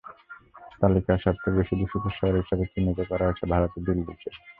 তালিকায় সবচেয়ে বেশি দূষিত শহর হিসেবে চিহ্নিত করা হয়েছে ভারতের দিল্লিকে।